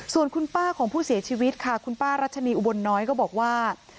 ส่วนคุณป้าของผู้เสียชีวิตค่ะคุณป้ารัชนีอุบลน้อยก็บอกว่า